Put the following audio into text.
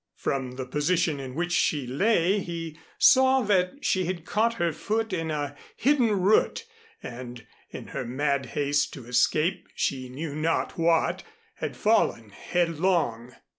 From the position in which she lay he saw that she had caught her foot in a hidden root and, in her mad haste to escape she knew not what, had fallen headlong.